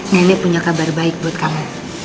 nenek punya kabar baik buat kamu